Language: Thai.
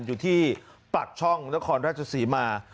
อยู่ที่ปากช่องหัวละครราชกษีมา